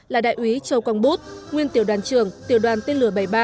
là đại úy châu quang bút nguyên tiểu đoàn trưởng tiểu đoàn tên lửa bảy mươi ba